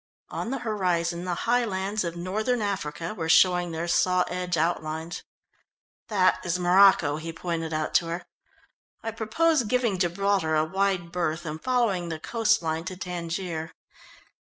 On the horizon the high lands of northern Africa were showing their saw edge outlines. "That is Morocco," he pointed out to her. "I propose giving Gibraltar a wide berth, and following the coast line to Tangier."